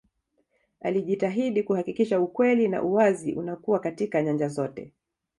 alijitahidi kuhakikisha ukweli na uwazi unakuwa katika nyanja zote